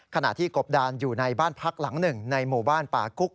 ขณะที่กบดานอยู่ในบ้านพักหลังหนึ่งในหมู่บ้านป่ากุ๊ก